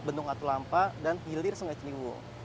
bentuk atu lampa dan hilir sungai ciliwung